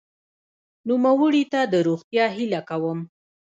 نوموړي ته د روغتیا هیله کوم.